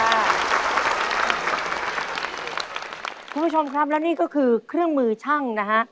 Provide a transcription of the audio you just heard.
คุณผู้ชมครับและนี่ก็คือเครื่องมือช่างนะฮะ